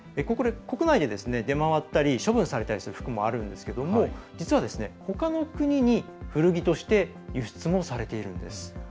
国内で出回ったり処分されたりする服もあるんですけど実は、ほかの国に古着として輸出もされているんです。